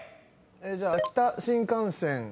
じゃあ秋田新幹線。